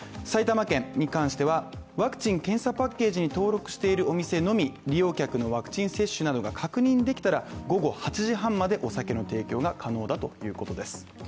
埼玉県に関しては、ワクチン検査・パッケージに登録しているお店のみ利用客のワクチン接種などが確認できたら、午後８時半までお酒の提供が可能だということです